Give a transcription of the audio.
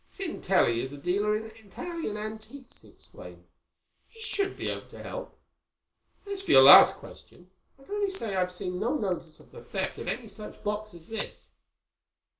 "Sintelli is a dealer in Italian antiques," he explained. "He should be able to help. As for your last question, I can only say I've seen no notice of the theft of any such box as this."